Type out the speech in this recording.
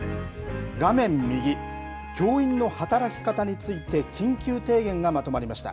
画面右、教員の働き方について、緊急提言がまとまりました。